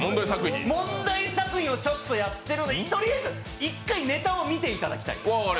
問題作品をちょっとやってるので、とりあえず一回、ネタを見ていただきたい。